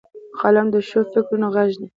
قلم د ښو فکرونو غږ دی